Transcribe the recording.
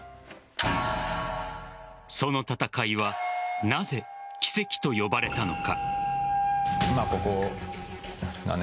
その戦いはなぜ奇跡と呼ばれたのか。